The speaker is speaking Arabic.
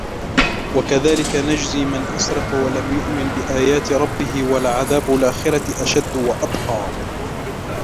وكذلك نجزي من أسرف ولم يؤمن بآيات ربه ولعذاب الآخرة أشد وأبقى